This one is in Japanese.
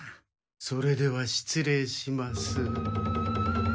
それではしつ礼します。